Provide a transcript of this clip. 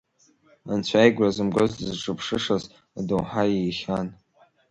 Анцәа игәра зымгоз дызҿыԥшышаз адоуҳа иихьан.